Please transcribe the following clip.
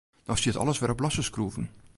No stiet alles wer op losse skroeven.